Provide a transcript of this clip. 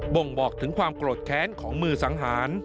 ่งบอกถึงความโกรธแค้นของมือสังหาร